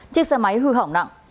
chiếc xe máy hư hỏng nặng